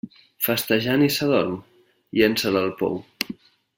Festejant, i s'adorm?: llença'l al pou.